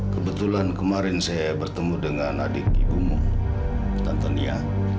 kebetulan kemarin saya bertemu dengan adik ibumu tante nia